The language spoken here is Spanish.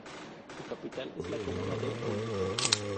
Su capital es la comuna de Bulnes.